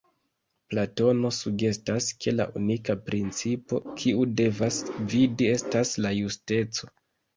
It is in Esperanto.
Platono sugestas ke la unika principo kiu devas gvidi estas la justeco.